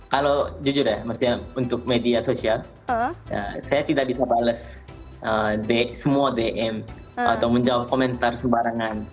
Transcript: kalau jujur ya maksudnya untuk media sosial saya tidak bisa bales semua dm atau menjawab komentar sembarangan